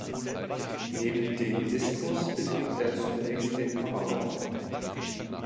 Neben dem Diskus betrieb er zunächst den Hammerwurf.